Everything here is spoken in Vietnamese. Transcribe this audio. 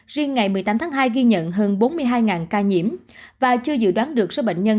riêng ngày một mươi tám tháng hai ghi nhận hơn bốn mươi hai ca nhiễm và chưa dự đoán được số bệnh nhân